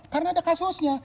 karena ada kasusnya